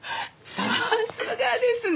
さすがですね。